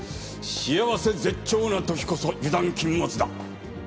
幸せ絶頂の時こそ油断禁物だ。